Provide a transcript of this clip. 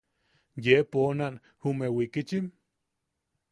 –¿Yee poonan jume wikichim?